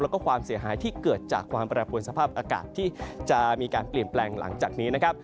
แล้วก็ความเสียหายที่เกิดจากความแปรปวนสภาพอากาศที่จะมีการเปลี่ยนแปลงหลังจากนี้นะครับ